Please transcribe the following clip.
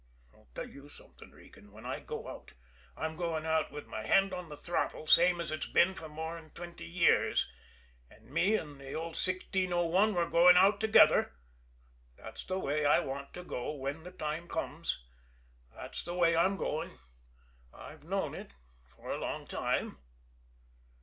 I'll tell you something, Regan. When I go out, I'm going out with my hand on the throttle, same as it's been for more'n twenty years. And me and the old 1601, we're going out together that's the way I want to go when the time comes and that's the way I'm going. I've known it for a long time."